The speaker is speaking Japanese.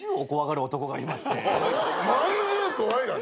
『まんじゅう怖い』だね。